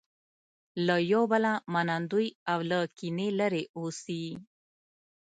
له یو بله منندوی او له کینې لرې اوسي.